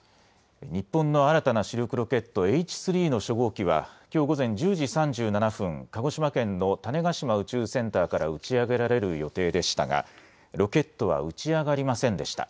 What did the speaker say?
日本の新たな主力ロケット、Ｈ３の初号機はきょう午前１０時３７分、鹿児島県の種子島宇宙センターから打ち上げられる予定でしたがロケットは打ち上がりませんでした。